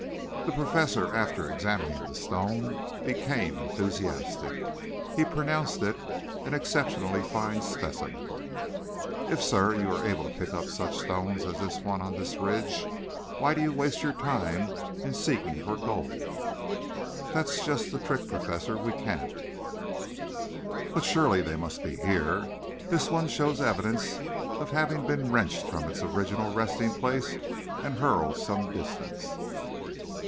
The Professor, after examining the stone, became enthusiastic. He pronounced it an exceptionally fine specimen. "If, sir, you are able to pick up such stones as this on this Ridge why do you waste your time in seeking for gold?" "That's just the trick, Professor. We can't." "But surely they must be here. This one shows evidence of having been wrenched from its original resting place and hurled some distance."